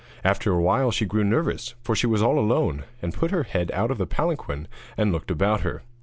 After a while she grew nervous, for she was all alone, and put her head out of the palanquin and looked about her.